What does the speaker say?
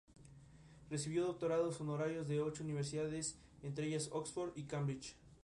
Recibió doctorados honorarios de ocho universidades, entre ellas Oxford y Cambridge.